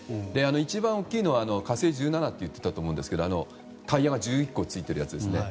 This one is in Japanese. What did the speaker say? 一番大きいのは「火星１７」と言っていたと思うんですが、タイヤが１１個ついているやつですね。